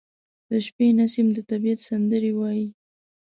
• د شپې نسیم د طبیعت سندرې وايي.